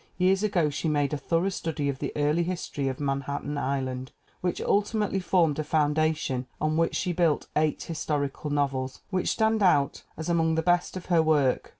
Years ago she made a thorough study of the early history of Manhattan Island, which ultimately formed a foundation on which she built eight historical novels which stand out as among the best of her work.